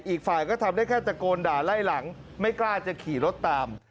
อีกฝ่ายก็ทำได้แค่ตะโกนด่าไล่หลังไม่กล้าจะขี่รถตาม